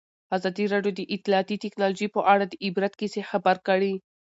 ازادي راډیو د اطلاعاتی تکنالوژي په اړه د عبرت کیسې خبر کړي.